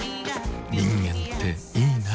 人間っていいナ。